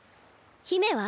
姫は？